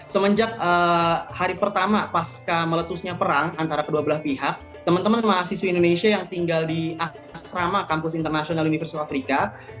semenjak hari pertama pasca meletusnya perang antara kedua belah pihak teman teman mahasiswa indonesia yang tinggal di asrama kampus international universal afrika